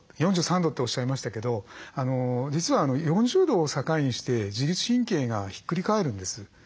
４３度っておっしゃいましたけど実は４０度を境にして自律神経がひっくり返るんです。